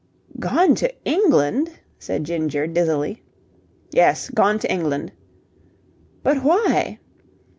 "Gone to England?" said Ginger, dizzily. "Yes, gone to England." "But why?"